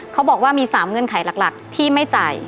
เขาบอกว่ามี๓เงื่อนไขหลักที่ไม่จ่าย